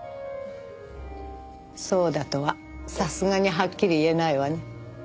そうだとはさすがにはっきり言えないわね。